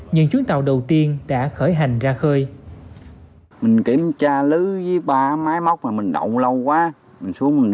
những chuyến tàu đầu tiên đã khởi hành ra khơi